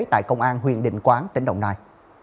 tại công an huyện định quán tỉnh đồng nai